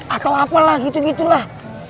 atau apalah gitu gitulah